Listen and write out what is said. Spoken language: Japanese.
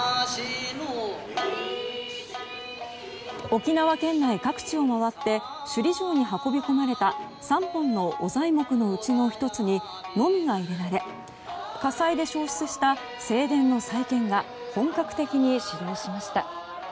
沖縄県内各地を回って首里城に運び込まれた３本の御材木のうちの１つにノミが入れられ火災で焼失した正殿の再建が本格的に始動しました。